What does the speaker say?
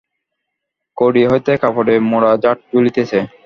কড়ি হইতে কাপড়ে মোড়া ঝাড় ঝুলিতেছে।